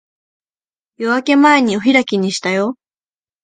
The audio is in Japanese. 夜明け前にお開きにしたよ。